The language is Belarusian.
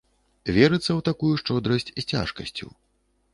Верыцца ў такую шчодрасць з цяжкасцю.